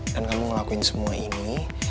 dan kamu ngelakuin semua ini